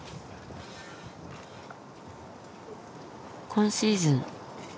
今シーズン。